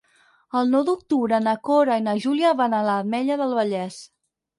El nou d'octubre na Cora i na Júlia van a l'Ametlla del Vallès.